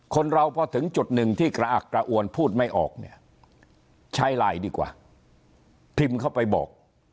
คนเราพอถึงจุดหนึ่งที่กระอักกระอวนพูดไม่ออกเนี่ยใช้ไลน์ดีกว่าพิมพ์เข้าไปบอก